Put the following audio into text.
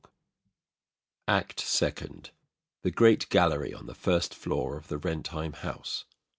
ACT SECOND The great gallery on the first floor of the Rentheim House.